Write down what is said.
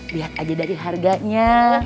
lihat aja dari harganya